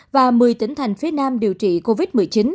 và một mươi tỉnh thành phía nam điều trị covid một mươi chín